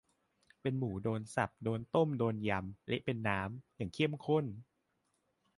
เป็นหมู โดนสับ โดนต้ม โดนยำ เละเป็นน้ำ อย่างเข้มข้น